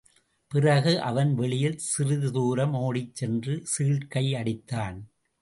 பிறகு, அவன் வெளியில் சிறிது தூரம் ஓடிச்சென்று சீழ்க்கையடித்தான்.